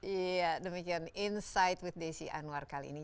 iya demikian insight with desi anwar kali ini